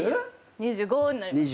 ２５になりますね。